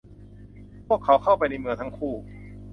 พวกเขาเข้าไปในเมืองทั้งคู่